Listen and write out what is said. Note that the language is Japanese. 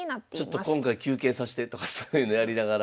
ちょっと今回休憩させてとかそういうのやりながら。